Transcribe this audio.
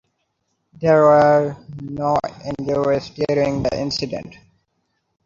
There were no injuries during the incident.